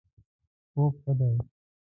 خوب ښه دی